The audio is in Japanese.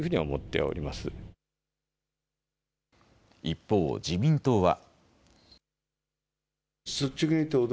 一方、自民党は。